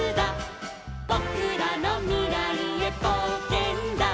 「ぼくらのみらいへぼうけんだ」